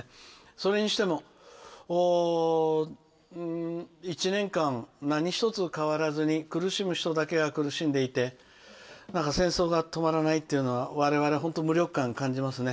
それにしても、１年間何一つ変わらずに苦しむ人だけが苦しんでいて戦争が止まらないというのは我々、本当に無力感を感じますね。